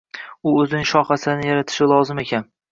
U o‘zining shoh asarini yaratishi lozim ekan.